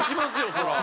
そりゃ。